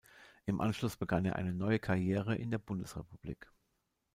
Im Anschluss begann er eine neue Karriere in der Bundesrepublik.